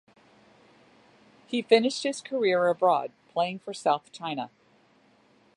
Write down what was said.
He finished his career abroad, playing for South China.